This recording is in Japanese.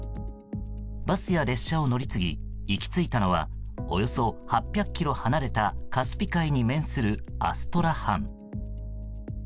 バスや列車を乗り継ぎ行き着いたのはおよそ８００ｋｍ離れたカスピ海に面するアストラハン。